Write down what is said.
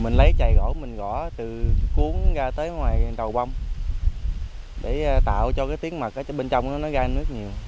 mình lấy chày gỗ mình gõ từ cuốn ra tới ngoài đầu bông để tạo cho cái tiếng mật ở bên trong nó gan nước nhiều